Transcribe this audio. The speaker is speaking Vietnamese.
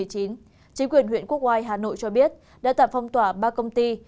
chính quyền huyện quốc oai hà nội cho biết đã tạm phong tỏa ba công ty